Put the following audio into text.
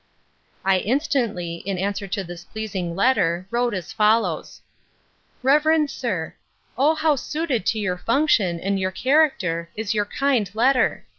I instantly, in answer to this pleasing letter, wrote as follows: 'REVEREND SIR, 'O how suited to your function, and your character, is your kind letter!